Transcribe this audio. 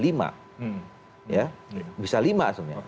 bisa lima sebenarnya